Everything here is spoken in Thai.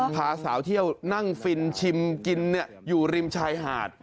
พาสาวเที่ยวนั่งฟินชิมกินอยู่ริมชายหาด